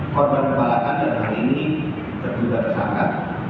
korban pemalakan yang hari ini terluka tersangka